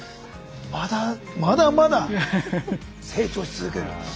まだまだまだ成長し続ける。